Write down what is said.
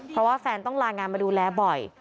เพราะว่าแฟนต้องลางานมาดูแลบ่อย